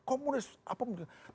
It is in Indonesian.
itu berkatakan komunis